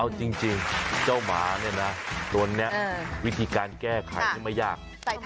เอาจริงเจ้าหมาเนี่ยนะตัวนี้วิธีการแก้ไขนี่ไม่ยาก